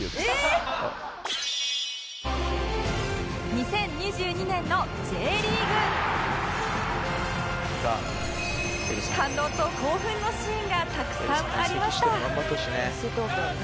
２０２２年の Ｊ リーグ感動と興奮のシーンがたくさんありました